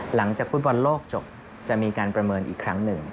หลังจากฟุตบอลโลกจบจะมีการประเมินอีกครั้งหนึ่ง